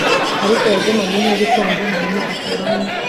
Ariko yagumanye intera ikonje hanyuma akuramo